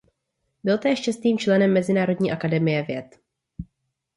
Byl též čestným členem Mezinárodní akademie věd.